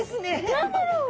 何だろう。